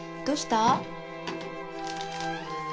どうした？